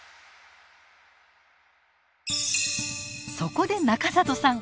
そこで中里さん